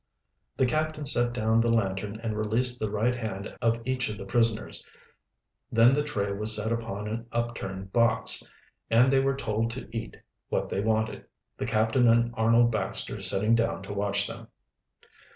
The captain set down the lantern and released the right hand of each of the prisoners. Then the tray was set upon an upturned box, and they were told to eat what they wanted, the captain and Arnold Baxter sitting down to watch them.